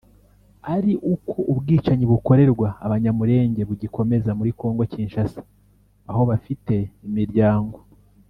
ari uko ubwicanyi bukorerwa Abanyamulenge bugikomeza muri Congo Kinshasa aho bafite imiryango